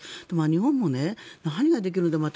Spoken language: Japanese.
日本も何ができるんだろう。